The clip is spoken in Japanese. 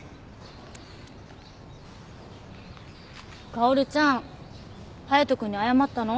薫ちゃん隼人君に謝ったの？